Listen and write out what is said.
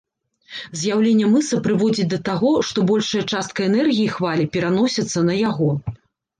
З'яўленне мыса прыводзіць да таго, што большая частка энергіі хвалі пераносіцца на яго.